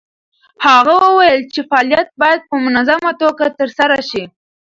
هغه وویل چې فعالیت باید په منظمه توګه ترسره شي.